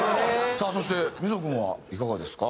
さあそして水野君はいかがですか？